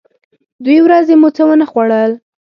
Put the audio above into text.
دوې ورځې مو څه و نه خوړل.